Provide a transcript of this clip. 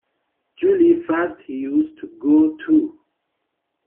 Jolly fast he used to go too.